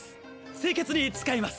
清潔に使います！